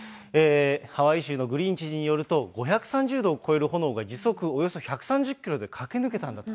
ハワイ州のグリーン知事によると、５３０度を超える炎が時速およそ１３０キロで駆け抜けたんだと。